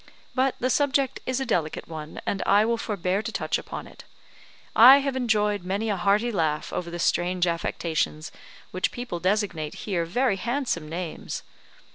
But the subject is a delicate one and I will forbear to touch upon it. I have enjoyed many a hearty laugh over the strange affectations which people designate here very handsome names.